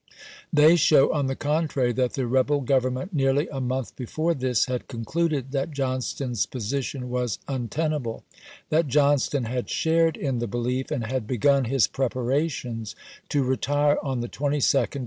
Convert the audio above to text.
They show, on the contrary, that the rebel government, nearly a month before this, had concluded that Johnston's position was untenable ; that Johnston had shared in the belief, and had begun his preparations to retire on the 22d of Feb 1862.